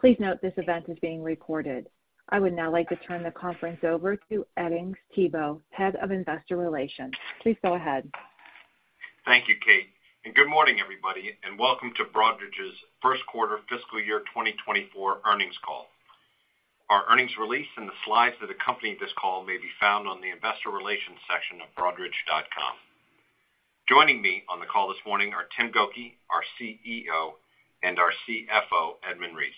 Please note this event is being recorded. I would now like to turn the conference over to Edings Thibault, Head of Investor Relations. Please go ahead. Thank you, Kate, and good morning, everybody, and welcome to Broadridge's first quarter fiscal year 2024 earnings call. Our earnings release and the slides that accompany this call may be found on the investor relations section of Broadridge.com. Joining me on the call this morning are Tim Gokey, our CEO, and our CFO, Edmund Reese.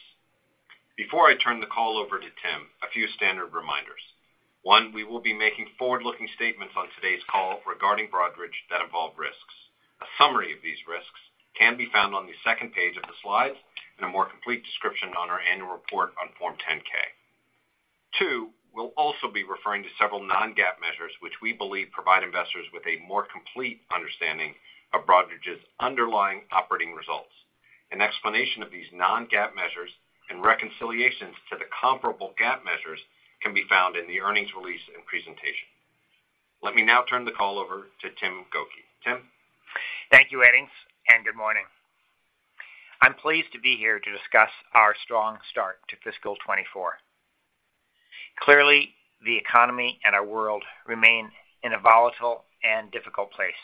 Before I turn the call over to Tim, a few standard reminders. One, we will be making forward-looking statements on today's call regarding Broadridge that involve risks. A summary of these risks can be found on the second page of the slides and a more complete description on our annual report on Form 10-K. Two, we'll also be referring to several non-GAAP measures, which we believe provide investors with a more complete understanding of Broadridge's underlying operating results. An explanation of these non-GAAP measures and reconciliations to the comparable GAAP measures can be found in the earnings release and presentation. Let me now turn the call over to Tim Gokey. Tim? Thank you, Edings, and good morning. I'm pleased to be here to discuss our strong start to fiscal 2024. Clearly, the economy and our world remain in a volatile and difficult place.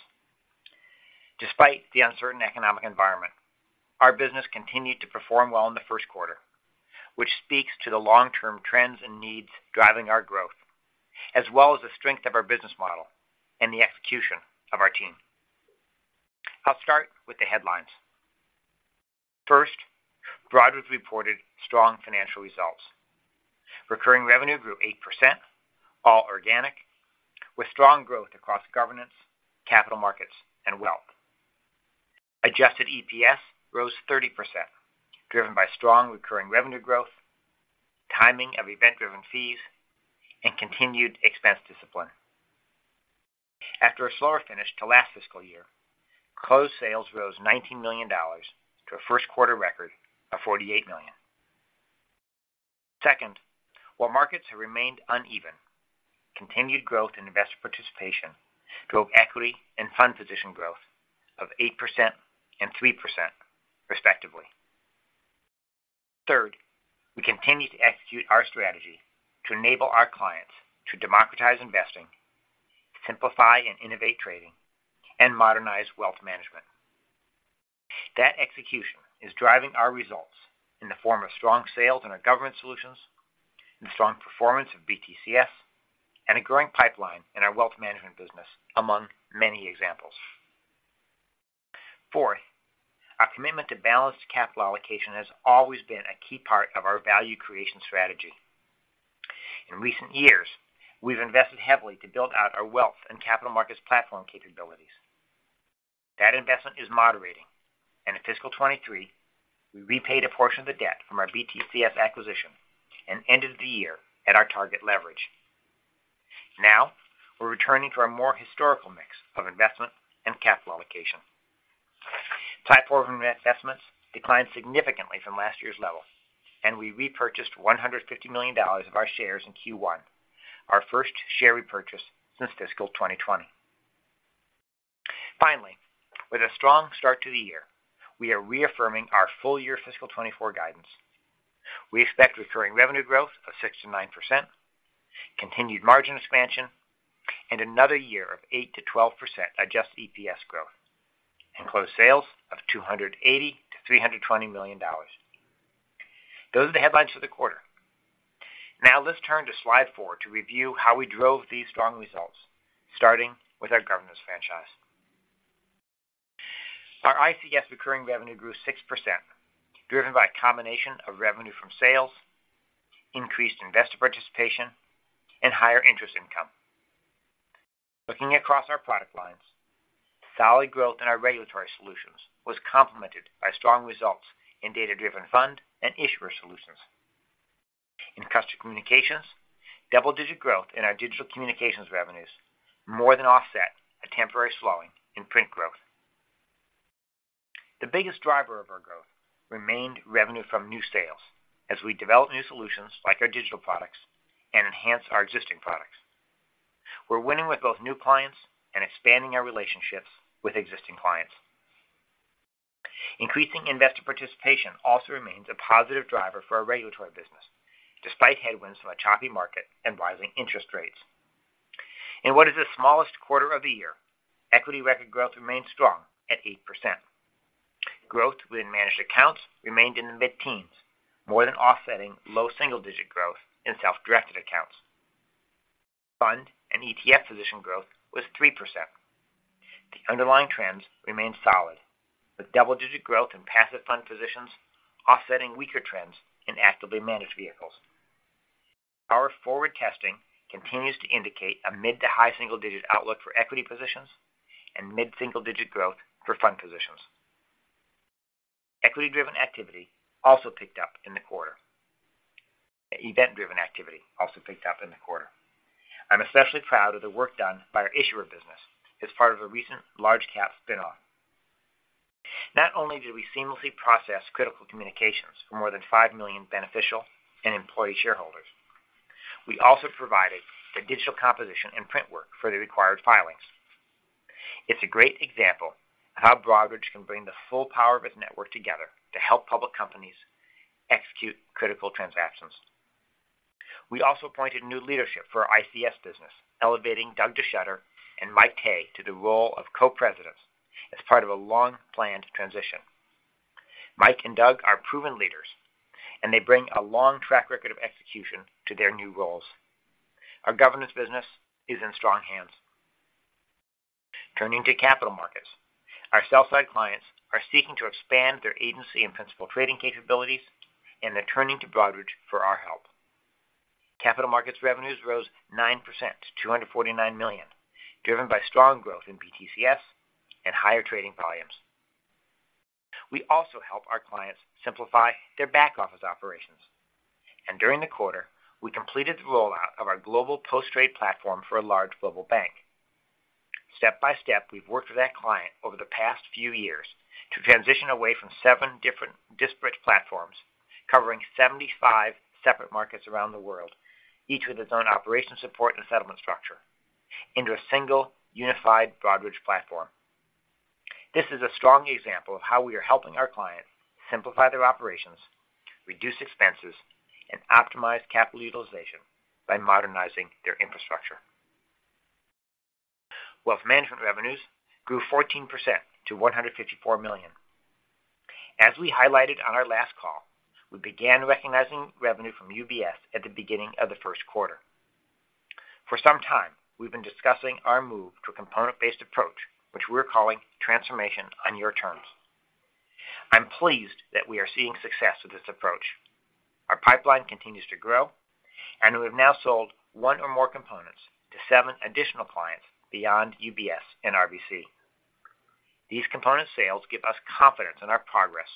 Despite the uncertain economic environment, our business continued to perform well in the first quarter, which speaks to the long-term trends and needs driving our growth, as well as the strength of our business model and the execution of our team. I'll start with the headlines. First, Broadridge reported strong financial results. Recurring revenue grew 8%, all organic, with strong growth across governance, capital markets, and wealth. Adjusted EPS rose 30%, driven by strong recurring revenue growth, timing of event-driven fees, and continued expense discipline. After a slower finish to last fiscal year, closed sales rose $19 million to a first quarter record of $48 million. Second, while markets have remained uneven, continued growth in investor participation drove equity and fund position growth of 8% and 3%, respectively. Third, we continue to execute our strategy to enable our clients to democratize investing, simplify and innovate trading, and modernize wealth management. That execution is driving our results in the form of strong sales in our government solutions, in the strong performance of BTCS, and a growing pipeline in our wealth management business, among many examples. Four, our commitment to balanced capital allocation has always been a key part of our value creation strategy. In recent years, we've invested heavily to build out our wealth and capital markets platform capabilities. That investment is moderating, and in fiscal 2023, we repaid a portion of the debt from our BTCS acquisition and ended the year at our target leverage. Now, we're returning to our more historical mix of investment and capital allocation. Type 4 investments declined significantly from last year's level, and we repurchased $150 million of our shares in Q1, our first share repurchase since fiscal 2020. Finally, with a strong start to the year, we are reaffirming our full-year fiscal 2024 guidance. We expect recurring revenue growth of 6%-9%, continued margin expansion, and another year of 8%-12% adjusted EPS growth, and close sales of $280 million-$320 million. Those are the headlines for the quarter. Now, let's turn to slide 4 to review how we drove these strong results, starting with our governance franchise. Our ICS recurring revenue grew 6%, driven by a combination of revenue from sales, increased investor participation, and higher interest income. Looking across our product lines, solid growth in our Regulatory Solutions was complemented by strong results in data-driven fund and issuer solutions. In Customer Communications, double-digit growth in our digital communications revenues more than offset a temporary slowing in print growth. The biggest driver of our growth remained revenue from new sales as we develop new solutions like our digital products and enhance our existing products. We're winning with both new clients and expanding our relationships with existing clients. Increasing investor participation also remains a positive driver for our regulatory business, despite headwinds from a choppy market and rising interest rates. In what is the smallest quarter of the year, equity record growth remained strong at 8%. Growth within managed accounts remained in the mid-teens, more than offsetting low single-digit growth in self-directed accounts. Fund and ETF position growth was 3%. The underlying trends remained solid, with double-digit growth in passive fund positions offsetting weaker trends in actively managed vehicles. Our forward testing continues to indicate a mid to high single-digit outlook for equity positions and mid-single-digit growth for fund positions. Equity-driven activity also picked up in the quarter. Event-driven activity also picked up in the quarter. I'm especially proud of the work done by our issuer business as part of a recent large cap spin-off. Not only did we seamlessly process critical communications for more than 5 million beneficial and employee shareholders, we also provided the digital composition and print work for the required filings. It's a great example of how Broadridge can bring the full power of its network together to help public companies execute critical transactions. We also appointed new leadership for our ICS business, elevating Doug DeSchutter and Michael Tae to the role of co-presidents as part of a long-planned transition. Mike and Doug are proven leaders, and they bring a long track record of execution to their new roles. Our governance business is in strong hands. Turning to capital markets, our sell-side clients are seeking to expand their agency and principal trading capabilities, and they're turning to Broadridge for our help. Capital markets revenues rose 9% to $249 million, driven by strong growth in BTCS and higher trading volumes. We also help our clients simplify their back-office operations, and during the quarter, we completed the rollout of our global post-trade platform for a large global bank. Step by step, we've worked with that client over the past few years to transition away from 7 different disparate platforms, covering 75 separate markets around the world, each with its own operation, support, and settlement structure, into a single, unified Broadridge platform. This is a strong example of how we are helping our clients simplify their operations, reduce expenses, and optimize capital utilization by modernizing their infrastructure. Wealth management revenues grew 14% to $154 million. As we highlighted on our last call, we began recognizing revenue from UBS at the beginning of the first quarter. For some time, we've been discussing our move to a component-based approach, which we're calling Transformation on Your Terms. I'm pleased that we are seeing success with this approach. Our pipeline continues to grow, and we've now sold one or more components to 7 additional clients beyond UBS and RBC. These component sales give us confidence in our progress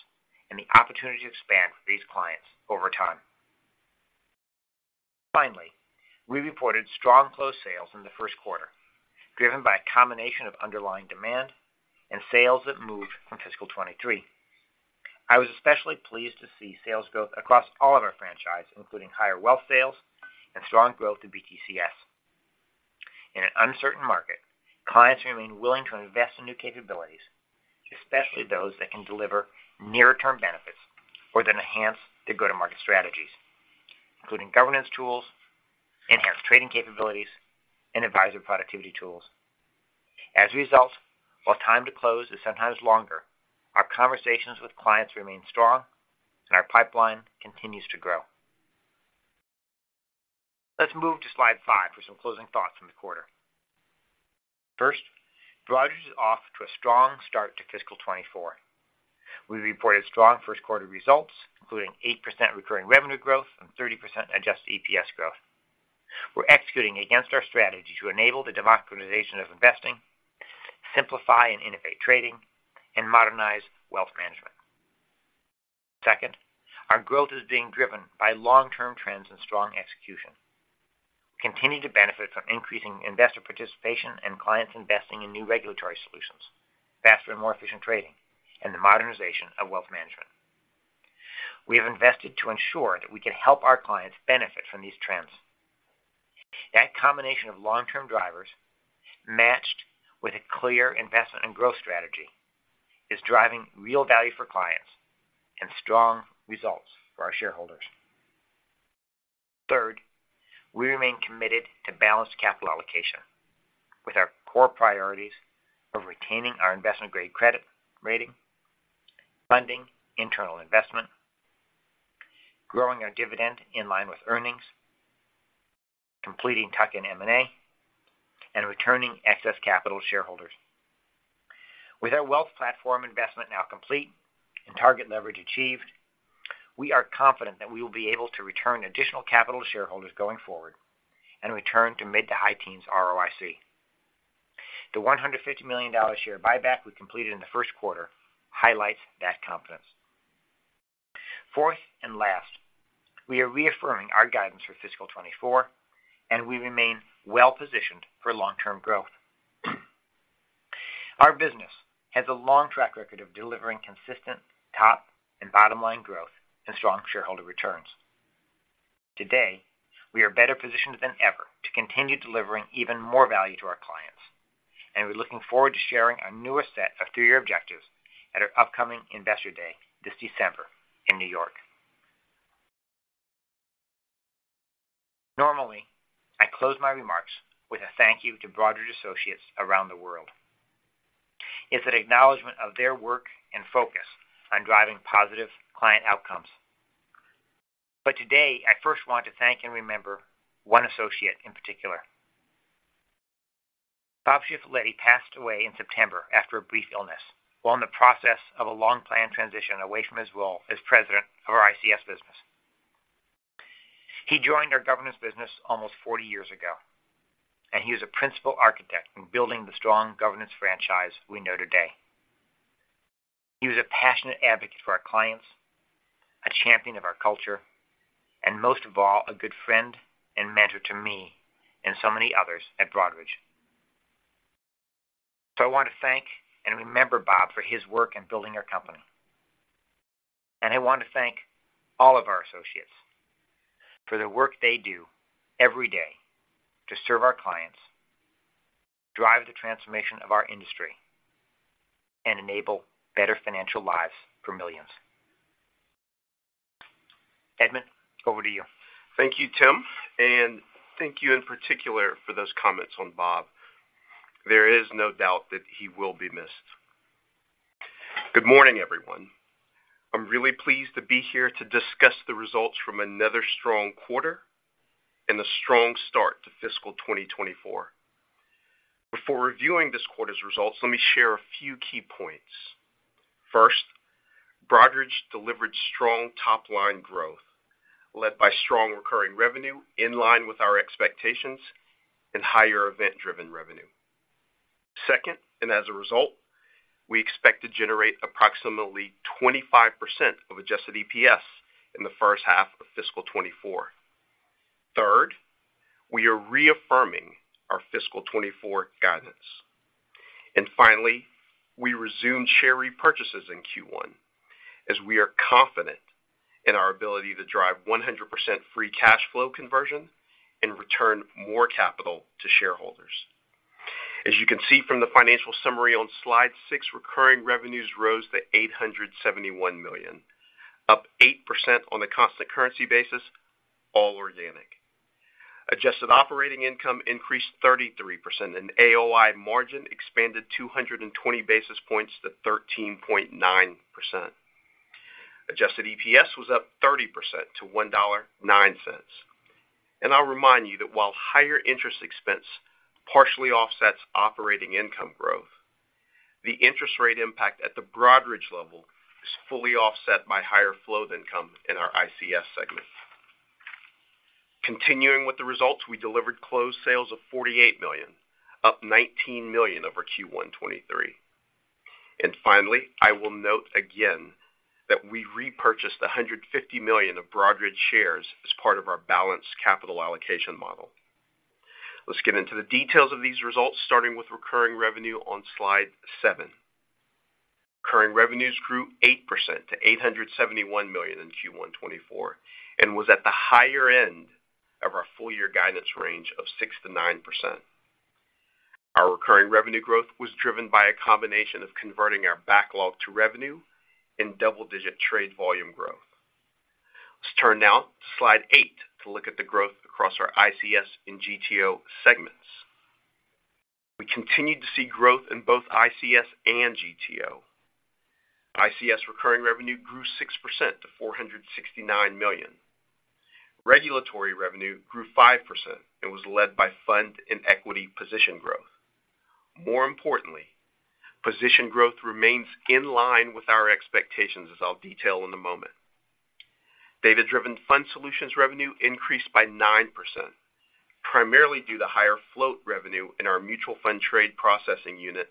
and the opportunity to expand with these clients over time. Finally, we reported strong closed sales in the first quarter, driven by a combination of underlying demand and sales that moved from fiscal 2023. I was especially pleased to see sales growth across all of our franchise, including higher wealth sales and strong growth in BTCS. In an uncertain market, clients remain willing to invest in new capabilities, especially those that can deliver near-term benefits or that enhance their go-to-market strategies, including governance tools, enhanced trading capabilities, and advisor productivity tools. As a result, while time to close is sometimes longer, our conversations with clients remain strong and our pipeline continues to grow. Let's move to slide 5 for some closing thoughts from the quarter. First, Broadridge is off to a strong start to fiscal 2024. We reported strong first quarter results, including 8% recurring revenue growth and 30% adjusted EPS growth. We're executing against our strategy to enable the democratization of investing, simplify and innovate trading, and modernize wealth management. Second, our growth is being driven by long-term trends and strong execution. We continue to benefit from increasing investor participation and clients investing in new regulatory solutions, faster and more efficient trading, and the modernization of wealth management. We have invested to ensure that we can help our clients benefit from these trends. That combination of long-term drivers, matched with a clear investment and growth strategy, is driving real value for clients and strong results for our shareholders. Third, we remain committed to balanced capital allocation with our core priorities of retaining our investment-grade credit rating, funding internal investment, growing our dividend in line with earnings, completing tuck-in M&A, and returning excess capital to shareholders. With our wealth platform investment now complete and target leverage achieved, we are confident that we will be able to return additional capital to shareholders going forward and return to mid- to high-teens ROIC. The $150 million share buyback we completed in the first quarter highlights that confidence. Fourth and last, we are reaffirming our guidance for fiscal 2024, and we remain well positioned for long-term growth. Our business has a long track record of delivering consistent top and bottom line growth and strong shareholder returns. Today, we are better positioned than ever to continue delivering even more value to our clients, and we're looking forward to sharing our newest set of three-year objectives at our upcoming Investor Day this December in New York. Normally, I close my remarks with a thank you to Broadridge associates around the world. It's an acknowledgment of their work and focus on driving positive client outcomes. But today, I first want to thank and remember one associate in particular. Bob Schifellite passed away in September after a brief illness, while in the process of a long-planned transition away from his role as president of our ICS business. He joined our governance business almost 40 years ago, and he was a principal architect in building the strong governance franchise we know today. He was a passionate advocate for our clients, a champion of our culture, and most of all, a good friend and mentor to me and so many others at Broadridge. So I want to thank and remember Bob for his work in building our company... and I want to thank all of our associates for the work they do every day to serve our clients, drive the transformation of our industry, and enable better financial lives for millions. Edmund, over to you. Thank you, Tim, and thank you in particular for those comments on Bob. There is no doubt that he will be missed. Good morning, everyone. I'm really pleased to be here to discuss the results from another strong quarter and a strong start to fiscal 2024. Before reviewing this quarter's results, let me share a few key points. First, Broadridge delivered strong top-line growth, led by strong recurring revenue, in line with our expectations and higher event-driven revenue. Second, and as a result, we expect to generate approximately 25% of adjusted EPS in the first half of fiscal 2024. Third, we are reaffirming our fiscal 2024 guidance. Finally, we resumed share repurchases in Q1, as we are confident in our ability to drive 100% free cash flow conversion and return more capital to shareholders. As you can see from the financial summary on Slide 6, recurring revenues rose to $871 million, up 8% on a constant currency basis, all organic. Adjusted operating income increased 33%, and AOI margin expanded 220 basis points to 13.9%. Adjusted EPS was up 30% to $1.09. And I'll remind you that while higher interest expense partially offsets operating income growth, the interest rate impact at the Broadridge level is fully offset by higher float income in our ICS segment. Continuing with the results, we delivered closed sales of $48 million, up $19 million over Q1 2023. And finally, I will note again that we repurchased $150 million of Broadridge shares as part of our balanced capital allocation model. Let's get into the details of these results, starting with recurring revenue on Slide 7. Recurring revenues grew 8% to $871 million in Q1 2024, and was at the higher end of our full-year guidance range of 6%-9%. Our recurring revenue growth was driven by a combination of converting our backlog to revenue and double-digit trade volume growth. Let's turn now to Slide 8 to look at the growth across our ICS and GTO segments. We continued to see growth in both ICS and GTO. ICS recurring revenue grew 6% to $469 million. Regulatory revenue grew 5% and was led by fund and equity position growth. More importantly, position growth remains in line with our expectations, as I'll detail in a moment. Data-driven fund solutions revenue increased by 9%, primarily due to higher float revenue in our mutual fund trade processing unit,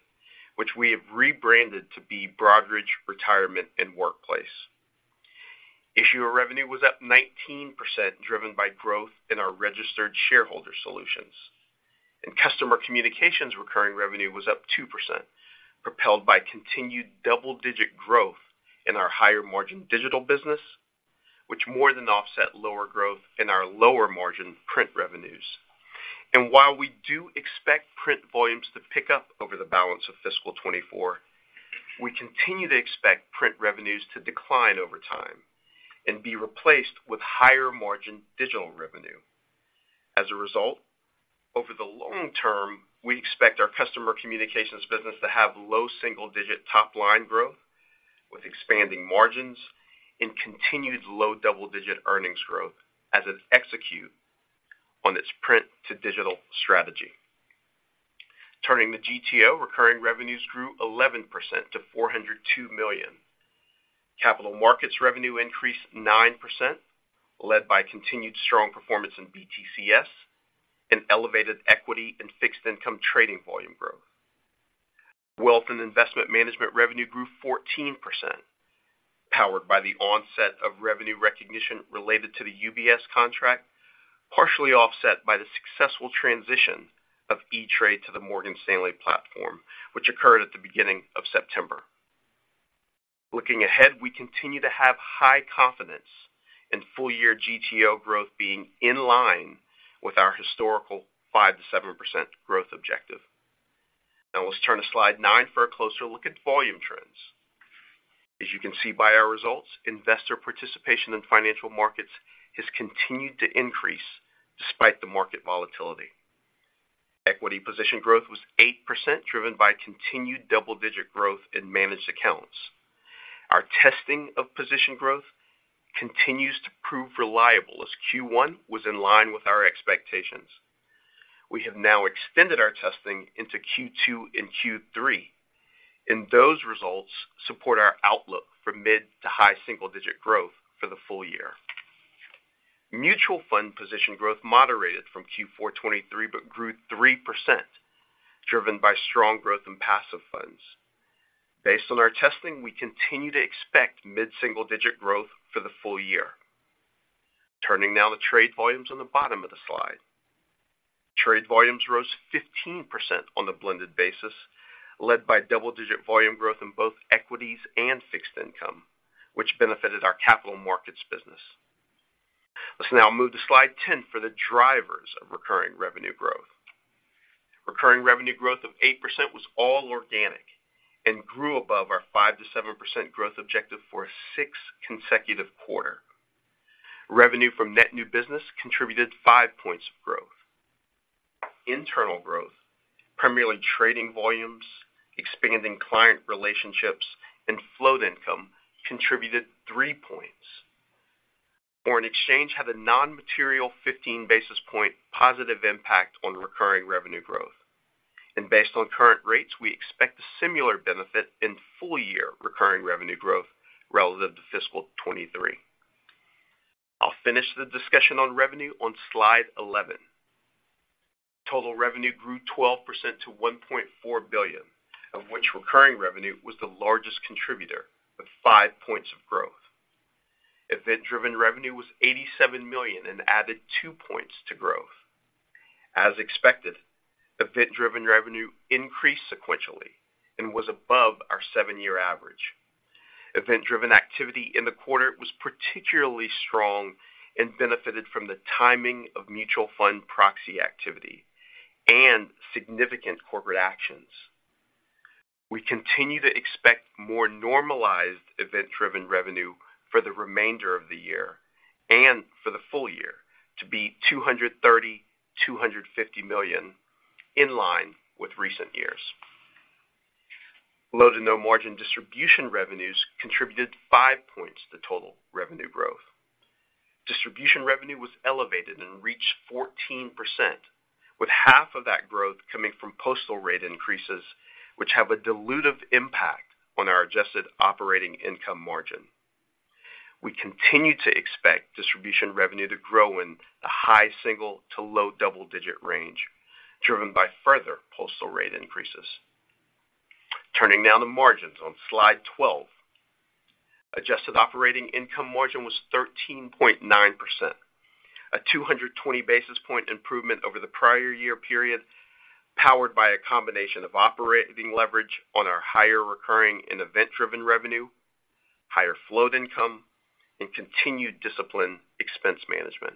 which we have rebranded to be Broadridge Retirement and Workplace. Issuer revenue was up 19%, driven by growth in our registered shareholder solutions. Customer communications recurring revenue was up 2%, propelled by continued double-digit growth in our higher-margin digital business, which more than offset lower growth in our lower-margin print revenues. While we do expect print volumes to pick up over the balance of fiscal 2024, we continue to expect print revenues to decline over time and be replaced with higher-margin digital revenue. As a result, over the long term, we expect our customer communications business to have low single-digit top-line growth with expanding margins and continued low-double-digit earnings growth as it execute on its print-to-digital strategy. Turning to GTO, recurring revenues grew 11% to $402 million. Capital markets revenue increased 9%, led by continued strong performance in BTCS and elevated equity and fixed income trading volume growth. Wealth and investment management revenue grew 14%, powered by the onset of revenue recognition related to the UBS contract, partially offset by the successful transition of E*TRADE to the Morgan Stanley platform, which occurred at the beginning of September. Looking ahead, we continue to have high confidence in full-year GTO growth being in line with our historical 5%-7% growth objective. Now, let's turn to Slide 9 for a closer look at volume trends. As you can see by our results, investor participation in financial markets has continued to increase despite the market volatility. Equity position growth was 8%, driven by continued double-digit growth in managed accounts. Our testing of position growth continues to prove reliable, as Q1 was in line with our expectations. We have now extended our testing into Q2 and Q3, and those results support our outlook for mid- to high single-digit growth for the full year. Mutual fund position growth moderated from Q4 2023, but grew 3%, driven by strong growth in passive funds. Based on our testing, we continue to expect mid-single-digit growth for the full year.... Turning now to trade volumes on the bottom of the slide. Trade volumes rose 15% on a blended basis, led by double-digit volume growth in both equities and fixed income, which benefited our capital markets business. Let's now move to slide 10 for the drivers of recurring revenue growth. Recurring revenue growth of 8% was all organic and grew above our 5%-7% growth objective for a 6th consecutive quarter. Revenue from net new business contributed 5 points of growth. Internal growth, primarily trading volumes, expanding client relationships, and float income contributed 3 points. Foreign exchange had a non-material 15 basis point positive impact on recurring revenue growth. Based on current rates, we expect a similar benefit in full-year recurring revenue growth relative to fiscal 2023. I'll finish the discussion on revenue on slide 11. Total revenue grew 12% to $1.4 billion, of which recurring revenue was the largest contributor, with 5 points of growth. Event-driven revenue was $87 million and added 2 points to growth. As expected, event-driven revenue increased sequentially and was above our 7-year average. Event-driven activity in the quarter was particularly strong and benefited from the timing of mutual fund proxy activity and significant corporate actions. We continue to expect more normalized event-driven revenue for the remainder of the year and for the full year to be $230 million-$250 million, in line with recent years. Low to no margin distribution revenues contributed five points to total revenue growth. Distribution revenue was elevated and reached 14%, with half of that growth coming from postal rate increases, which have a dilutive impact on our adjusted operating income margin. We continue to expect distribution revenue to grow in the high single- to low double-digit range, driven by further postal rate increases. Turning now to margins on slide 12. Adjusted operating income margin was 13.9%, a 220 basis point improvement over the prior year period, powered by a combination of operating leverage on our higher recurring and event-driven revenue, higher float income, and continued disciplined expense management.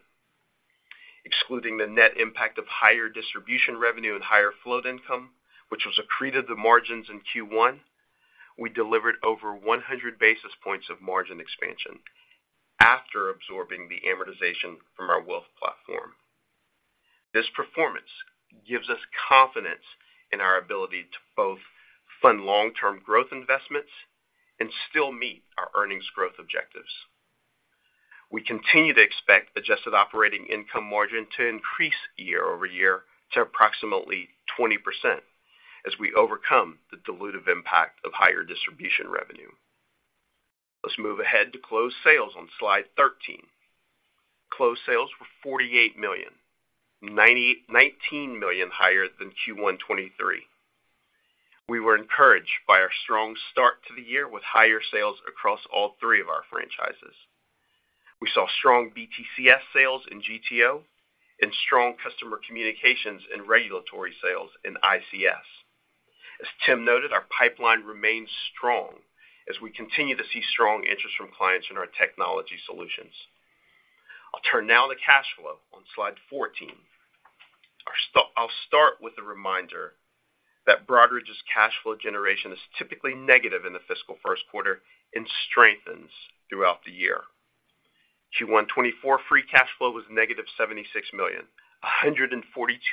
Excluding the net impact of higher distribution revenue and higher float income, which was accreted to margins in Q1, we delivered over 100 basis points of margin expansion after absorbing the amortization from our wealth platform. This performance gives us confidence in our ability to both fund long-term growth investments and still meet our earnings growth objectives. We continue to expect adjusted operating income margin to increase year-over-year to approximately 20% as we overcome the dilutive impact of higher distribution revenue. Let's move ahead to closed sales on slide 13. Closed sales were $48 million, $99 million higher than Q1 2023. We were encouraged by our strong start to the year with higher sales across all 3 of our franchises. We saw strong BTCS sales in GTO and strong customer communications and regulatory sales in ICS. As Tim noted, our pipeline remains strong as we continue to see strong interest from clients in our technology solutions. I'll turn now to cash flow on slide 14. I'll start with a reminder that Broadridge's cash flow generation is typically negative in the fiscal first quarter and strengthens throughout the year. Q1 2024 free cash flow was -$76 million, $142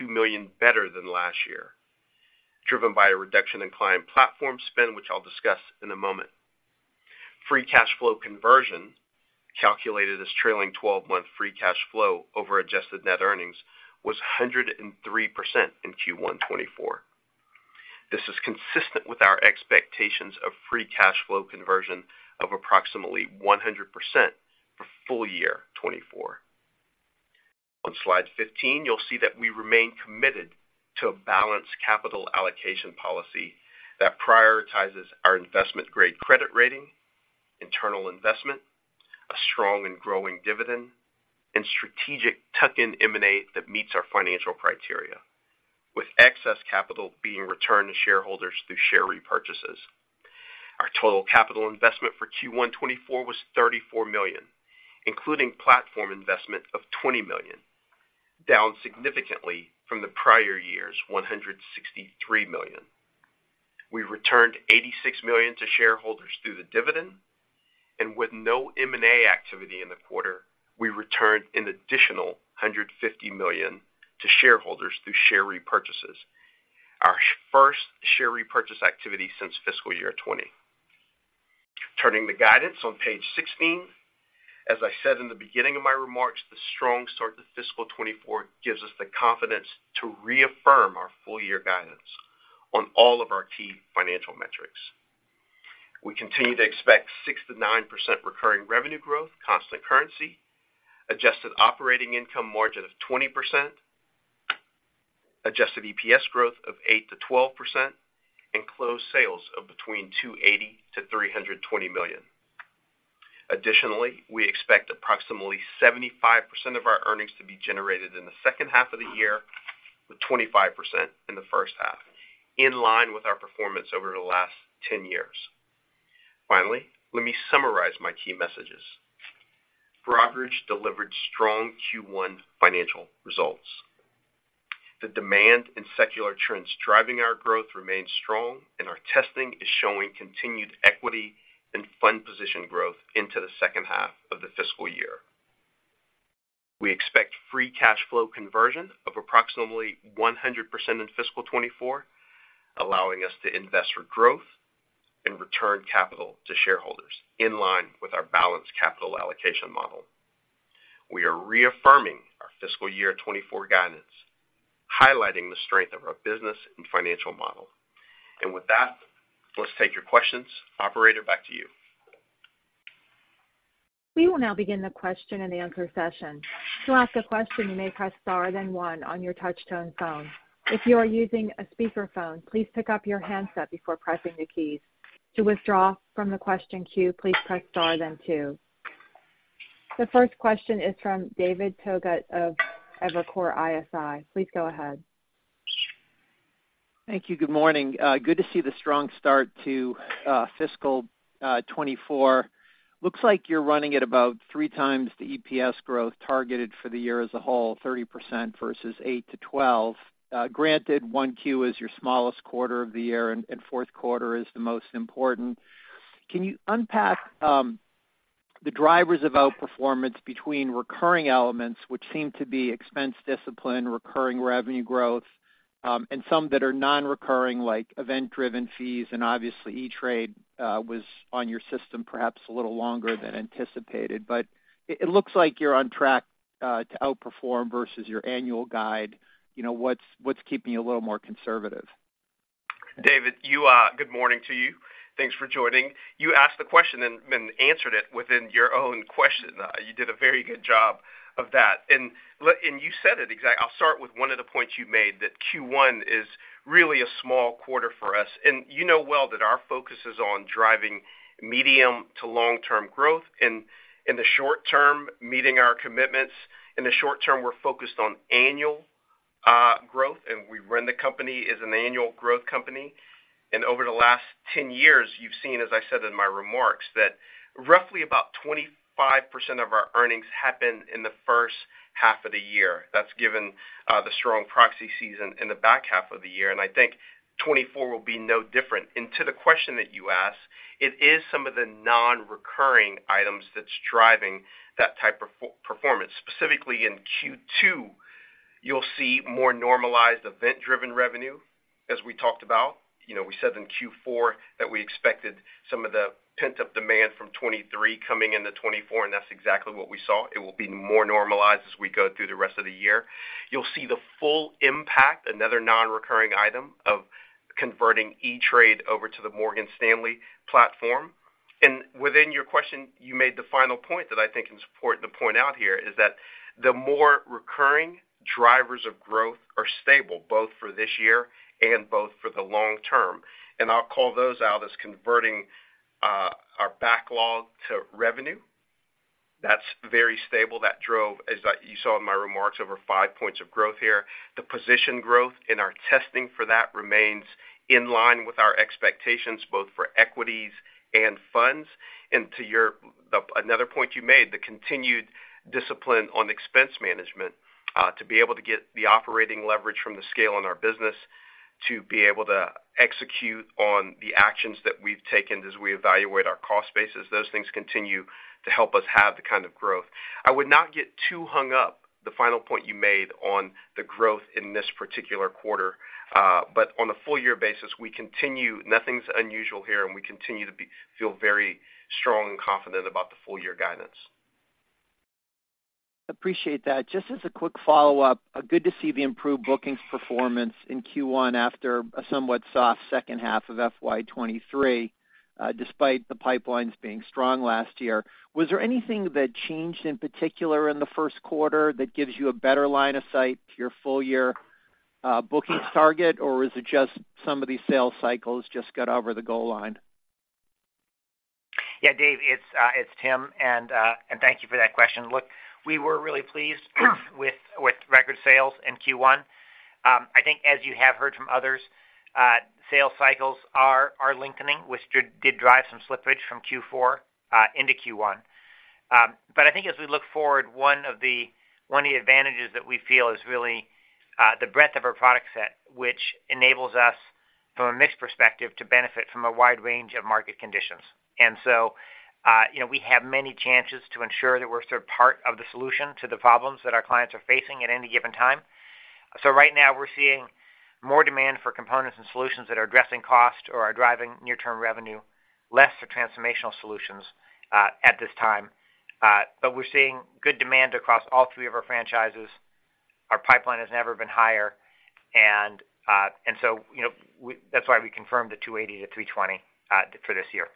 million better than last year, driven by a reduction in client platform spend, which I'll discuss in a moment. Free cash flow conversion, calculated as trailing twelve-month free cash flow over adjusted net earnings, was 103% in Q1 2024. This is consistent with our expectations of free cash flow conversion of approximately 100% for full year 2024. On slide 15, you'll see that we remain committed to a balanced capital allocation policy that prioritizes our investment-grade credit rating, internal investment, a strong and growing dividend, and strategic tuck-in M&A that meets our financial criteria, with excess capital being returned to shareholders through share repurchases. Our total capital investment for Q1 2024 was $34 million, including platform investment of $20 million, down significantly from the prior year's $163 million. We returned $86 million to shareholders through the dividend, and with no M&A activity in the quarter, we returned an additional $150 million to shareholders through share repurchases, our first share repurchase activity since fiscal year 2020. Turning to guidance on page 16. As I said in the beginning of my remarks, the strong start to fiscal 2024 gives us the confidence to reaffirm our full-year guidance on all of our key financial metrics. We continue to expect 6%-9% recurring revenue growth, constant currency, adjusted operating income margin of 20%, adjusted EPS growth of 8%-12% and closed sales of between $280 million-$320 million. Additionally, we expect approximately 75% of our earnings to be generated in the second half of the year, with 25% in the first half, in line with our performance over the last 10 years. Finally, let me summarize my key messages. Broadridge delivered strong Q1 financial results. The demand and secular trends driving our growth remain strong, and our testing is showing continued equity and fund position growth into the second half of the fiscal year. We expect free cash flow conversion of approximately 100% in fiscal 2024, allowing us to invest for growth and return capital to shareholders in line with our balanced capital allocation model. We are reaffirming our fiscal year 2024 guidance, highlighting the strength of our business and financial model. With that, let's take your questions. Operator, back to you. We will now begin the question and answer session. To ask a question, you may press star, then one on your touchtone phone. If you are using a speakerphone, please pick up your handset before pressing the keys. To withdraw from the question queue, please press star, then two. The first question is from David Togut of Evercore ISI. Please go ahead. Thank you. Good morning. Good to see the strong start to fiscal 2024. Looks like you're running at about 3 times the EPS growth targeted for the year as a whole, 30% versus 8%-12%. Granted, Q1 is your smallest quarter of the year, and fourth quarter is the most important. Can you unpack the drivers of outperformance between recurring elements, which seem to be expense discipline, recurring revenue growth, and some that are non-recurring, like event-driven fees, and obviously, E*TRADE was on your system perhaps a little longer than anticipated. But it looks like you're on track to outperform versus your annual guide. You know, what's keeping you a little more conservative? David, you— Good morning to you. Thanks for joining. You asked the question and answered it within your own question. You did a very good job of that. And you said it— I'll start with one of the points you made, that Q1 is really a small quarter for us, and you know well that our focus is on driving medium to long-term growth, and in the short term, meeting our commitments. In the short term, we're focused on annual growth, and we run the company as an annual growth company. And over the last 10 years, you've seen, as I said in my remarks, that roughly about 25% of our earnings happen in the first half of the year. That's given the strong proxy season in the back half of the year, and I think 2024 will be no different. To the question that you asked, it is some of the non-recurring items that's driving that type of performance. Specifically, in Q2, you'll see more normalized event-driven revenue, as we talked about. You know, we said in Q4 that we expected some of the pent-up demand from 2023 coming into 2024, and that's exactly what we saw. It will be more normalized as we go through the rest of the year. You'll see the full impact, another non-recurring item, of converting E*TRADE over to the Morgan Stanley platform. And within your question, you made the final point that I think is important to point out here, is that the more recurring drivers of growth are stable, both for this year and both for the long term. And I'll call those out as converting our backlog to revenue. That's very stable. That drove, as you saw in my remarks, over 5 points of growth here. The position growth and our testing for that remains in line with our expectations, both for equities and funds. And to your, another point you made, the continued discipline on expense management, to be able to get the operating leverage from the scale in our business, to be able to execute on the actions that we've taken as we evaluate our cost basis, those things continue to help us have the kind of growth. I would not get too hung up, the final point you made, on the growth in this particular quarter. But on a full year basis, we continue. Nothing's unusual here, and we continue to feel very strong and confident about the full year guidance. Appreciate that. Just as a quick follow-up, good to see the improved bookings performance in Q1 after a somewhat soft second half of FY 2023, despite the pipelines being strong last year. Was there anything that changed in particular in the first quarter that gives you a better line of sight to your full year, bookings target, or is it just some of these sales cycles just got over the goal line? Yeah, Dave, it's Tim, and thank you for that question. Look, we were really pleased with record sales in Q1. I think as you have heard from others, sales cycles are lengthening, which did drive some slippage from Q4 into Q1. But I think as we look forward, one of the advantages that we feel is really the breadth of our product set, which enables us, from a mix perspective, to benefit from a wide range of market conditions. And so, you know, we have many chances to ensure that we're sort of part of the solution to the problems that our clients are facing at any given time. So right now, we're seeing more demand for components and solutions that are addressing cost or are driving near-term revenue, less for transformational solutions, at this time. But we're seeing good demand across all three of our franchises. Our pipeline has never been higher, and so, you know, that's why we confirmed the $280-$320 for this year. ...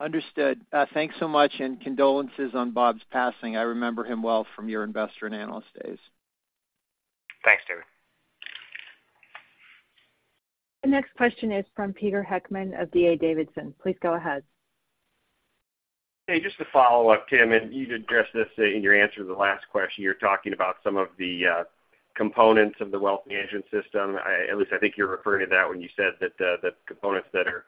Understood. Thanks so much, and condolences on Bob's passing. I remember him well from your investor and analyst days. Thanks, David. The next question is from Peter Heckmann of D.A. Davidson. Please go ahead. Hey, just to follow up, Tim, and you've addressed this in your answer to the last question. You're talking about some of the components of the wealth management system. At least I think you were referring to that when you said that the components that are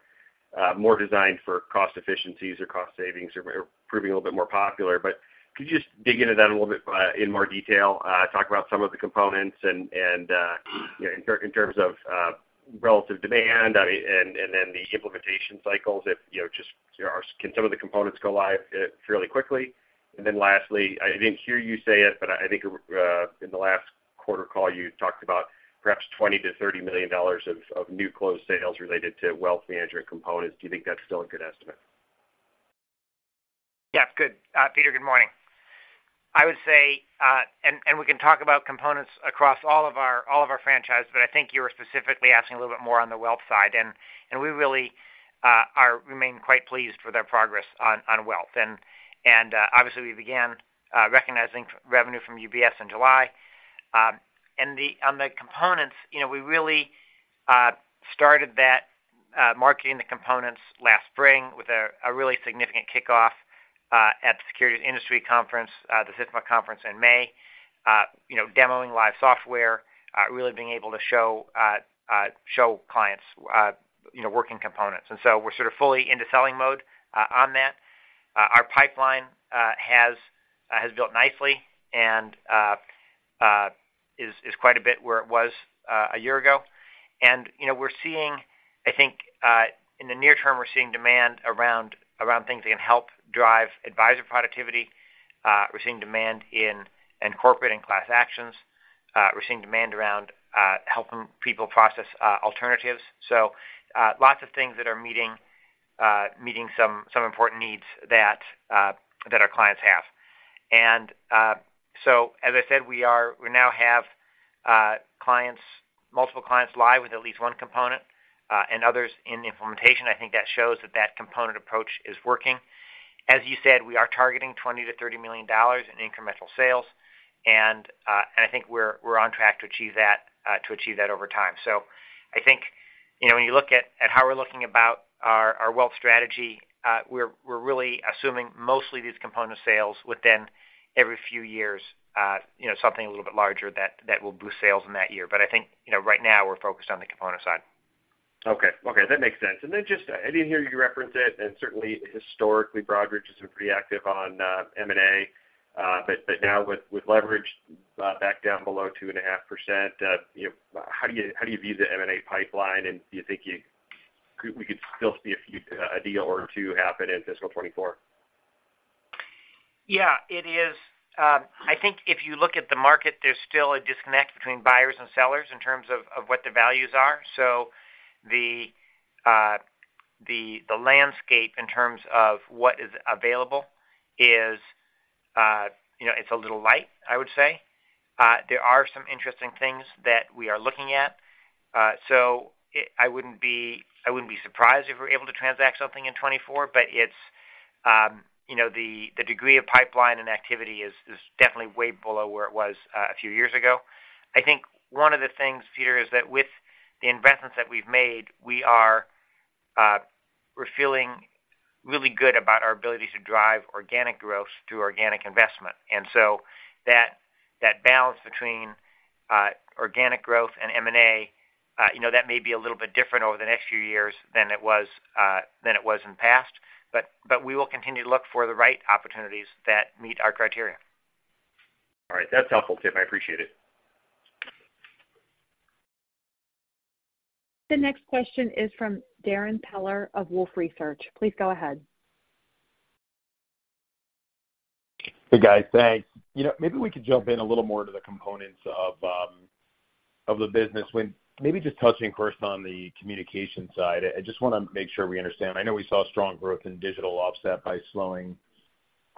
more designed for cost efficiencies or cost savings are proving a little bit more popular. But could you just dig into that a little bit in more detail? Talk about some of the components and you know, in terms of relative demand, I mean, and then the implementation cycles, if you know, just you know, can some of the components go live fairly quickly? And then lastly, I didn't hear you say it, but I think in the last quarter call, you talked about perhaps $20 million-$30 million of new closed sales related to wealth management components. Do you think that's still a good estimate? Yeah. Good. Peter, good morning. I would say, and, and we can talk about components across all of our, all of our franchise, but I think you were specifically asking a little bit more on the wealth side, and, and, remain quite pleased with our progress on, on wealth. And, and, obviously, we began recognizing revenue from UBS in July. And on the components, you know, we really started that marketing the components last spring with a really significant kickoff at the Securities Industry Conference, the SIFMA conference in May. You know, demoing live software, really being able to show show clients, you know, working components. And so we're sort of fully into selling mode on that. Our pipeline has built nicely and is quite a bit where it was a year ago. And, you know, we're seeing... I think, in the near term, we're seeing demand around things that can help drive advisor productivity. We're seeing demand in corporate and class actions. We're seeing demand around helping people process alternatives. So, lots of things that are meeting some important needs that our clients have. And, so as I said, we now have multiple clients live with at least one component and others in the implementation. I think that shows that component approach is working. As you said, we are targeting $20 million-$30 million in incremental sales, and I think we're on track to achieve that over time. So I think, you know, when you look at how we're looking about our wealth strategy, we're really assuming mostly these component sales within every few years, you know, something a little bit larger that will boost sales in that year. But I think, you know, right now, we're focused on the component side. Okay. Okay, that makes sense. And then just, I didn't hear you reference it, and certainly historically, Broadridge has been pretty active on, M&A, but now with leverage back down below 2.5%, you know, how do you view the M&A pipeline? And do you think we could still see a few, a deal or two happen in fiscal 2024? Yeah, it is. I think if you look at the market, there's still a disconnect between buyers and sellers in terms of, of what the values are. So the, the landscape in terms of what is available is, you know, it's a little light, I would say. There are some interesting things that we are looking at. So I wouldn't be, I wouldn't be surprised if we're able to transact something in 2024, but it's, you know, the, the degree of pipeline and activity is, is definitely way below where it was, a few years ago. I think one of the things, Peter, is that with the investments that we've made, we are, we're feeling really good about our ability to drive organic growth through organic investment. And so that balance between organic growth and M&A, you know, that may be a little bit different over the next few years than it was in the past, but we will continue to look for the right opportunities that meet our criteria. All right. That's helpful, Tim. I appreciate it. The next question is from Darrin Peller of Wolfe Research. Please go ahead. Hey, guys. Thanks. You know, maybe we could jump in a little more to the components of the business. Maybe just touching first on the communication side. I just wanna make sure we understand. I know we saw strong growth in digital offset by slowing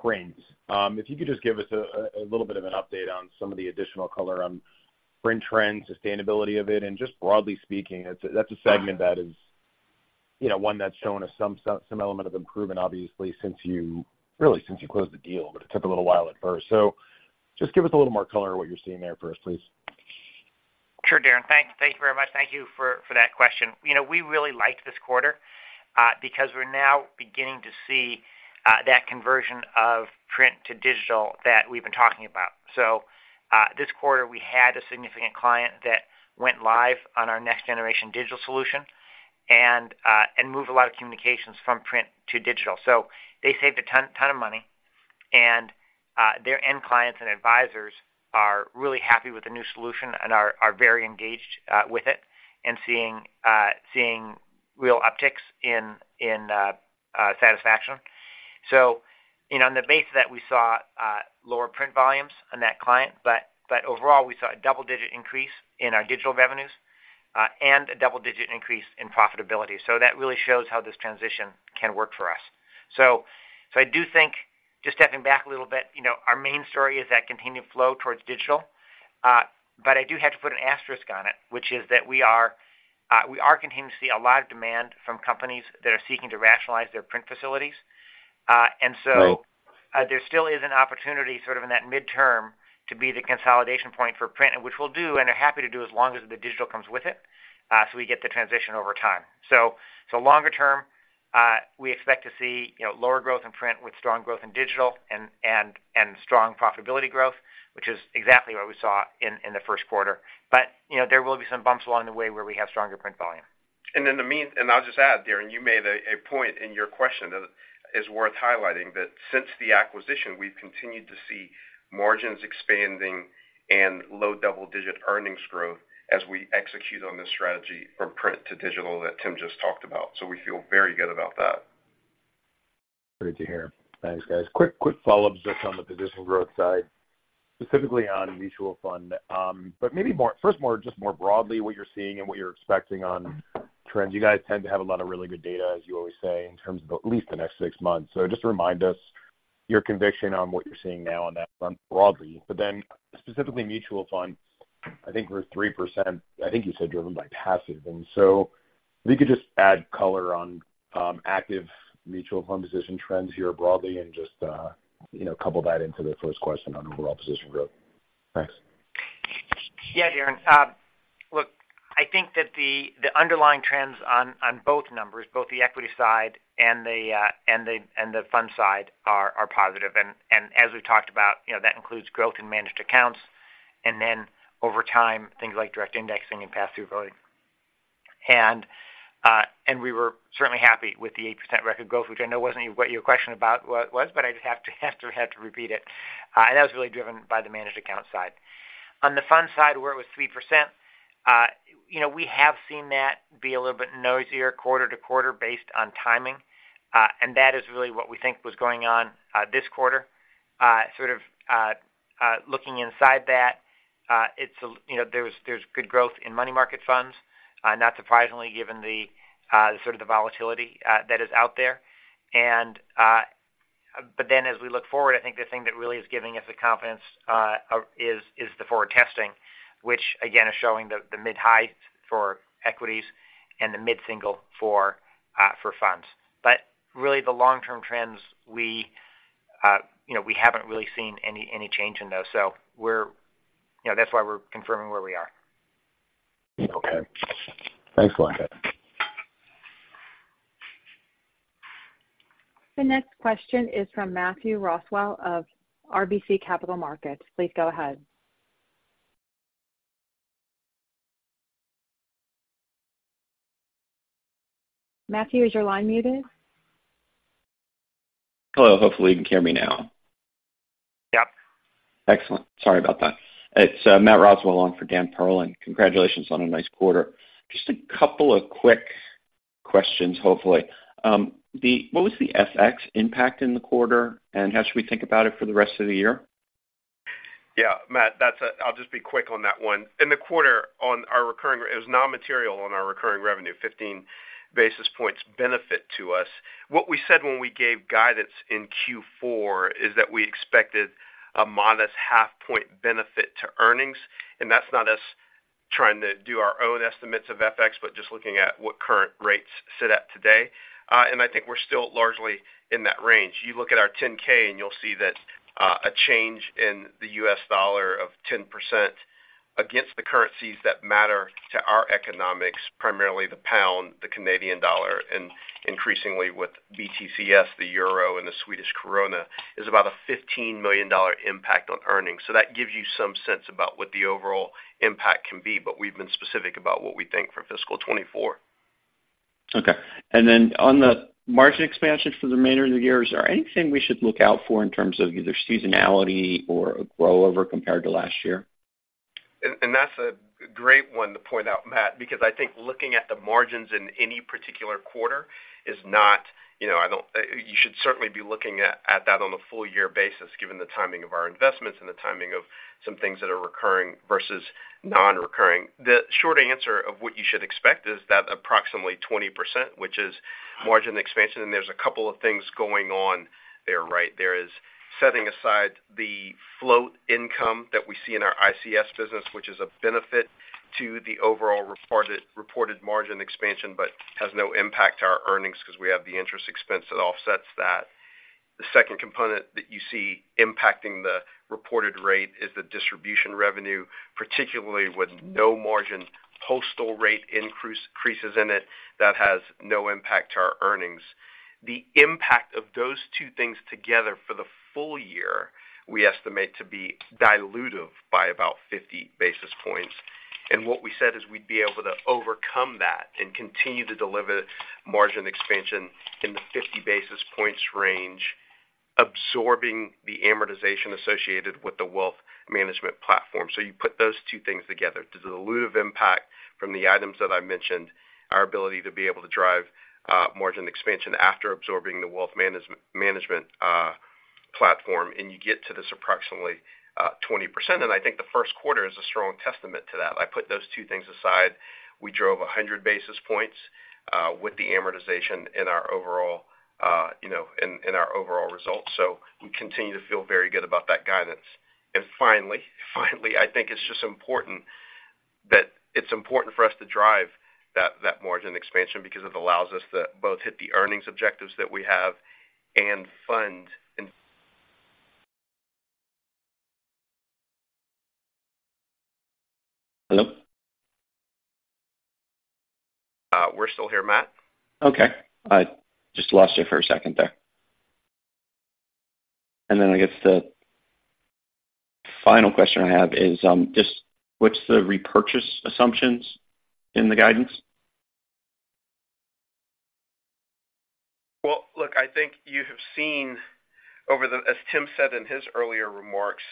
gains. If you could just give us a little bit of an update on some of the additional color on print trends, sustainability of it, and just broadly speaking, that's a segment that is, you know, one that's shown us some element of improvement, obviously, since you really closed the deal, but it took a little while at first. So just give us a little more color on what you're seeing there first, please. Sure, Darrin. Thank you very much. Thank you for that question. You know, we really liked this quarter, because we're now beginning to see that conversion of print to digital that we've been talking about. So, this quarter, we had a significant client that went live on our next-generation digital solution and moved a lot of communications from print to digital. So they saved a ton of money, and their end clients and advisors are really happy with the new solution and are very engaged with it and seeing real upticks in satisfaction. So, you know, on the basis of that, we saw lower print volumes on that client, but overall, we saw a double-digit increase in our digital revenues, and a double-digit increase in profitability. So that really shows how this transition can work for us. Just stepping back a little bit, you know, our main story is that continued flow towards digital. But I do have to put an asterisk on it, which is that we are continuing to see a lot of demand from companies that are seeking to rationalize their print facilities. And so- Right. There still is an opportunity sort of in that midterm to be the consolidation point for print, and which we'll do, and are happy to do as long as the digital comes with it, so we get the transition over time. So, longer term, we expect to see, you know, lower growth in print with strong growth in digital and, and, and strong profitability growth, which is exactly what we saw in the first quarter. But, you know, there will be some bumps along the way where we have stronger print volume. And I'll just add, Darrin, you made a point in your question that is worth highlighting, that since the acquisition, we've continued to see margins expanding and low double-digit earnings growth as we execute on this strategy from print to digital that Tim just talked about. So we feel very good about that. Great to hear. Thanks, guys. Quick, quick follow-up just on the position growth side, specifically on mutual fund. But maybe more, first, more just more broadly, what you're seeing and what you're expecting on trends. You guys tend to have a lot of really good data, as you always say, in terms of at least the next six months. So just remind us your conviction on what you're seeing now on that front broadly. But then specifically mutual funds, I think we're 3%, I think you said, driven by passive. And so if you could just add color on, active mutual fund position trends here broadly and just, you know, couple that into the first question on overall position growth. Thanks. Yeah, Darren. Look, I think that the underlying trends on both numbers, both the equity side and the fund side are positive. And as we've talked about, you know, that includes growth in managed accounts, and then over time, things like direct indexing and pass-through voting. And we were certainly happy with the 8% record growth, which I know wasn't what your question about what was, but I just have to repeat it. That was really driven by the managed account side. On the fund side, where it was 3%, you know, we have seen that be a little bit noisier quarter to quarter based on timing, and that is really what we think was going on this quarter. Sort of looking inside that, it's a—you know, there was, there's good growth in money market funds, not surprisingly, given the sort of the volatility that is out there. But then as we look forward, I think the thing that really is giving us the confidence is the forward testing, which again, is showing the mid highs for equities and the mid single for funds. But really, the long-term trends, you know, we haven't really seen any change in those. So we're—you know, that's why we're confirming where we are. Okay. Thanks a lot. The next question is from Matthew Roswell of RBC Capital Markets. Please go ahead. Matthew, is your line muted? Hello. Hopefully, you can hear me now. Yep. Excellent. Sorry about that. It's Matt Roswell on for Dan Pearlin. Congratulations on a nice quarter. Just a couple of quick questions, hopefully. What was the FX impact in the quarter, and how should we think about it for the rest of the year? Yeah, Matt, that's a... I'll just be quick on that one. In the quarter, on our recurring, it was non-material on our recurring revenue, 15 basis points benefit to us. What we said when we gave guidance in Q4 is that we expected a modest 0.5 point benefit to earnings, and that's not us trying to do our own estimates of FX, but just looking at what current rates sit at today. And I think we're still largely in that range. You look at our 10-K, and you'll see that, a change in the U.S. dollar of 10% against the currencies that matter to our economics, primarily the pound, the Canadian dollar, and increasingly with BTCS, the euro and the Swedish krona, is about a $15 million impact on earnings. So that gives you some sense about what the overall impact can be, but we've been specific about what we think for fiscal 2024. Okay. Then on the margin expansion for the remainder of the year, is there anything we should look out for in terms of either seasonality or a growth over compared to last year? And that's a great one to point out, Matt, because I think looking at the margins in any particular quarter is not, you know, I don't- You should certainly be looking at that on a full year basis, given the timing of our investments and the timing of some things that are recurring versus non-recurring. The short answer of what you should expect is that approximately 20%, which is margin expansion, and there's a couple of things going on there, right? There is setting aside the float income that we see in our ICS business, which is a benefit to the overall reported, reported margin expansion, but has no impact to our earnings because we have the interest expense that offsets that. The second component that you see impacting the reported rate is the distribution revenue, particularly with no margin postal rate increases in it. That has no impact to our earnings. The impact of those two things together for the full year, we estimate to be dilutive by about 50 basis points. What we said is we'd be able to overcome that and continue to deliver margin expansion in the 50 basis points range, absorbing the amortization associated with the wealth management platform. You put those two things together. Dilutive impact from the items that I mentioned, our ability to be able to drive margin expansion after absorbing the wealth management platform, and you get to this approximately 20%. I think the first quarter is a strong testament to that. I put those two things aside. We drove 100 basis points with the amortization in our overall, you know, in our overall results. So we continue to feel very good about that guidance. Finally, finally, I think it's just important that it's important for us to drive that, that margin expansion because it allows us to both hit the earnings objectives that we have and fund and- Hello? We're still here, Matt. Okay. I just lost you for a second there. And then I guess the final question I have is, just what's the repurchase assumptions in the guidance? Well, look, I think you have seen over the, as Tim said in his earlier remarks,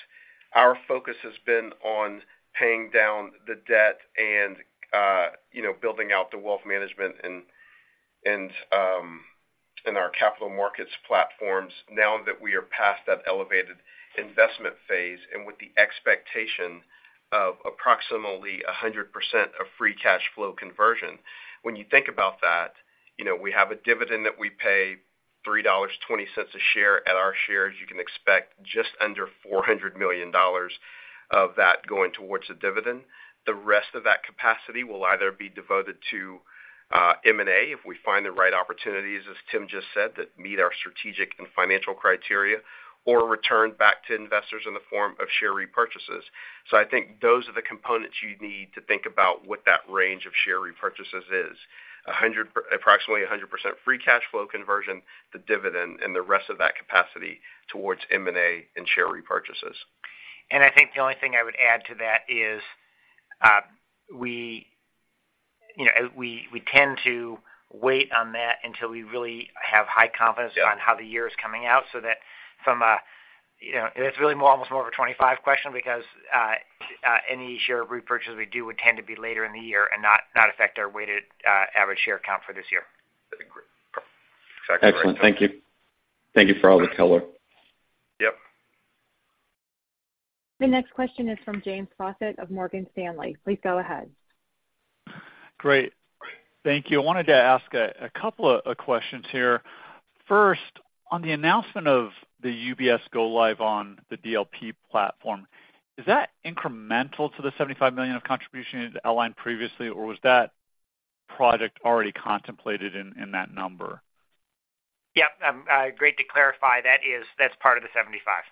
our focus has been on paying down the debt and, you know, building out the wealth management and our capital markets platforms now that we are past that elevated investment phase and with the expectation of approximately 100% free cash flow conversion. When you think about that, you know, we have a dividend that we pay $3.20 a share. At our shares, you can expect just under $400 million of that going towards the dividend. The rest of that capacity will either be devoted to M&A, if we find the right opportunities, as Tim just said, that meet our strategic and financial criteria, or return back to investors in the form of share repurchases. So I think those are the components you need to think about what that range of share repurchases is. Approximately 100% free cash flow conversion, the dividend, and the rest of that capacity towards M&A and share repurchases. I think the only thing I would add to that is, we, you know, we tend to wait on that until we really have high confidence on how the year is coming out, so that from a, you know, it's really more, almost more of a 25 question, because any share repurchase we do would tend to be later in the year and not affect our weighted average share count for this year. I agree. Excellent. Thank you. Thank you for all the color. Yep. The next question is from James Faucette of Morgan Stanley. Please go ahead. Great. Thank you. I wanted to ask a couple of questions here. First, on the announcement of the UBS go live on the DLR platform, is that incremental to the $75 million of contribution outlined previously, or was that project already contemplated in that number? Yep, great to clarify. That is, that's part of the 75. Okay.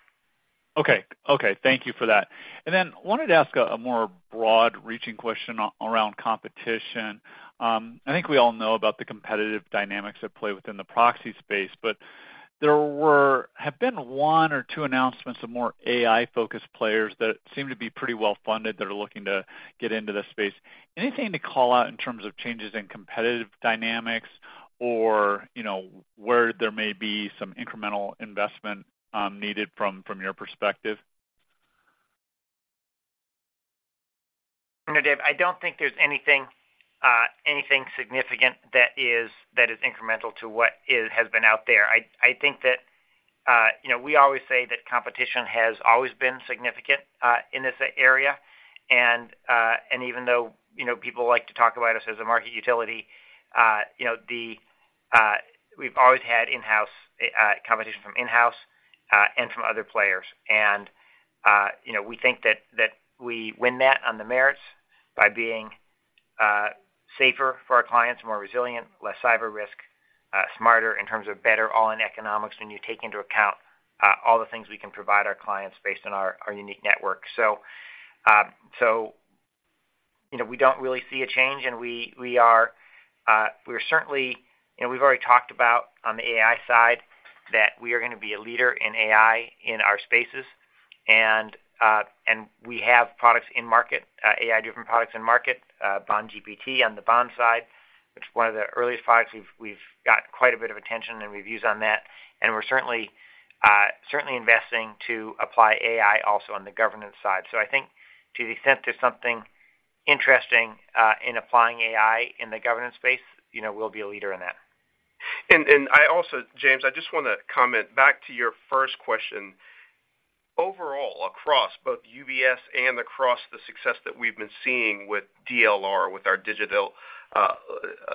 Okay, thank you for that. And then wanted to ask a more broad-reaching question around competition. I think we all know about the competitive dynamics at play within the proxy space, but there have been one or two announcements of more AI-focused players that seem to be pretty well funded, that are looking to get into this space. Anything to call out in terms of changes in competitive dynamics or, you know, where there may be some incremental investment needed from your perspective? No, Dave, I don't think there's anything, anything significant that is, that is incremental to what is, has been out there. I, I think that, you know, we always say that competition has always been significant, in this area. And, and even though, you know, people like to talk about us as a market utility, you know, the... We've always had in-house, competition from in-house, and from other players. And, you know, we think that, that we win that on the merits by being, safer for our clients, more resilient, less cyber risk, smarter in terms of better all-in economics, when you take into account, all the things we can provide our clients based on our, our unique network. So, so, you know, we don't really see a change, and we are, we're certainly, you know, we've already talked about on the AI side, that we are going to be a leader in AI in our spaces. And, and we have products in market, AI, different products in market, BondGPT on the bond side, which is one of the earliest products. We've got quite a bit of attention and reviews on that, and we're certainly, certainly investing to apply AI also on the governance side. So I think to the extent there's something interesting, in applying AI in the governance space, you know, we'll be a leader in that. I also, James, I just want to comment back to your first question. Overall, across both UBS and across the success that we've been seeing with DLR, with our digital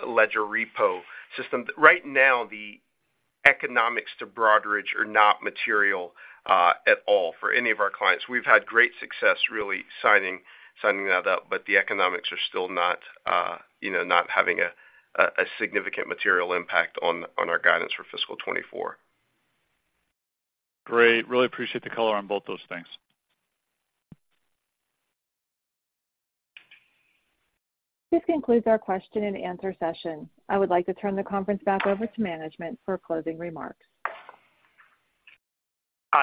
ledger repo system, right now, the economics to Broadridge are not material at all for any of our clients. We've had great success really signing that up, but the economics are still not, you know, having a significant material impact on our guidance for fiscal 2024. Great. Really appreciate the color on both those things. This concludes our question and answer session. I would like to turn the conference back over to management for closing remarks.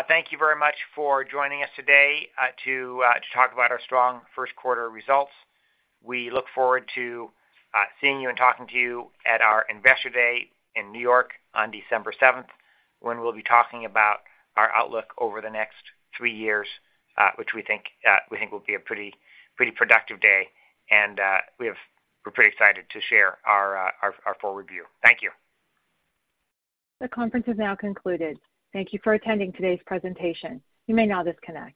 Thank you very much for joining us today, to talk about our strong first quarter results. We look forward to seeing you and talking to you at our Investor Day in New York on December seventh, when we'll be talking about our outlook over the next three years, which we think we think will be a pretty pretty productive day, and we're pretty excited to share our our our full review. Thank you. The conference is now concluded. Thank you for attending today's presentation. You may now disconnect.